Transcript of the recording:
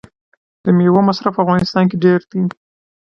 د میوو مصرف په افغانستان کې ډیر دی.